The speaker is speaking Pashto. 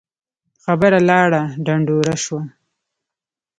خبره لاړه ډنډوره شوه.